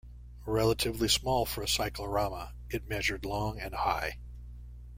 Relatively small for a Cyclorama, it measured long and high.